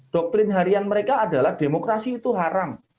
doktrin harian mereka adalah demokrasi itu haram